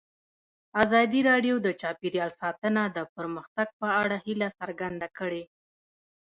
ازادي راډیو د چاپیریال ساتنه د پرمختګ په اړه هیله څرګنده کړې.